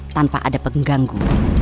tanpa ada pengganggu